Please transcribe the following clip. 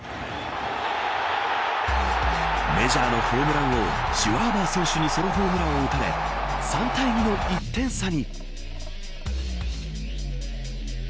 メジャーのホームラン王シュワーバー選手にソロホームランを打たれ３対２の１点差に。